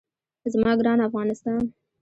زما ګران افغانستان.